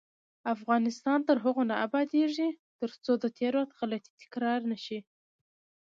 افغانستان تر هغو نه ابادیږي، ترڅو د تیر وخت غلطۍ تکرار نشي.